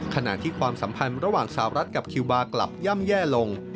ขณะที่ความสัมพันธ์ระหว่างสาวรัฐกับคิวบาร์กลับย่ำแย่ลง